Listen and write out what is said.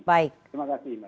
baik terima kasih